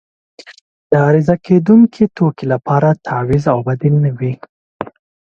د عرضه کیدونکې توکي لپاره تعویض او بدیل نه وي.